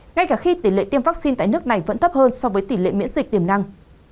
ngay cả khi tỷ lệ tiêm vaccine tại nước này vẫn thấp hơn so với tỷ lệ miễn dịch tiềm năng